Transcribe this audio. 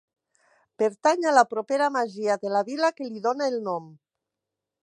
Pertany a la propera masia de la Vila, que li dóna el nom.